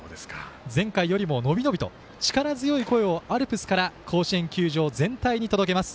前回よりも伸び伸びと力強い声をアルプスから甲子園球場全体に届けます。